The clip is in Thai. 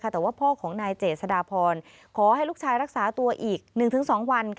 แต่ว่าพ่อของนายเจษฎาพรขอให้ลูกชายรักษาตัวอีก๑๒วัน